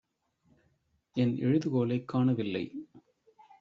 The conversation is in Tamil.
என் எழுதுகோலைக் காணவில்லை.